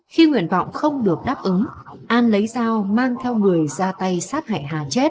khi nguyện vọng không được đáp ứng an lấy dao mang theo người ra tay sát hại hà chết